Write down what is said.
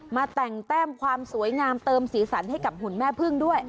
มาแต่งแต้มความสวยงามเติมสีสันให้กับหุ่นแม่พึ่งด้วย